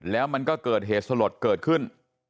แล้วมันก็เกิดเหตุสลดเกิดขึ้น